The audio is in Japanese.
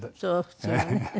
普通はね。